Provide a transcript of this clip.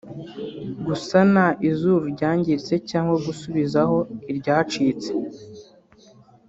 gusana izuru ryangiritse cyangwa gusubizaho iryacitse